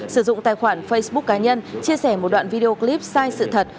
sử dụng tài khoản facebook cá nhân chia sẻ một đoạn video clip sai sự thật